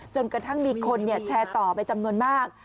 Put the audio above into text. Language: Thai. จนกระทั่งมีคนแชร์ต่อไปจำนวนมาก